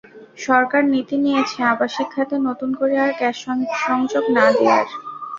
সরকার নীতি নিয়েছে আবাসিক খাতে নতুন করে আর গ্যাস সংযোগ না দেওয়ার।